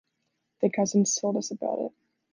The cousins told us about it.